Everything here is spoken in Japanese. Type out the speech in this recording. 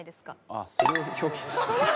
ああそれを表現して。